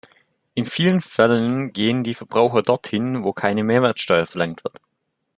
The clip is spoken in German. In vielen Fällen gehen die Verbraucher dorthin, wo keine Mehrwertsteuer verlangt wird.